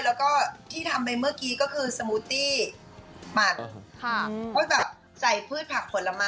แล้วก็ที่ทำไปเมื่อกี้ก็คือสมูตี้หั่นค่ะว่าแบบใส่พืชผักผลไม้